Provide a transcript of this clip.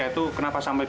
ya itu tetap umur